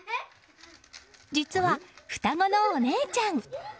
実は双子のお姉ちゃん。